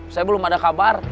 saya belum ada kabar